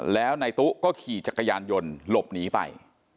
แล้วนายตู้ก็ขี่จักรยานยนต์หลบหนีไป